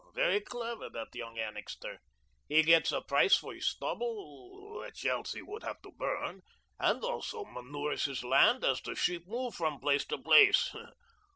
Very clever, that young Annixter. He gets a price for his stubble, which else he would have to burn, and also manures his land as the sheep move from place to place.